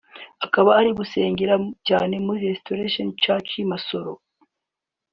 akaba ari gusengera cyane muri Restoration church Masoro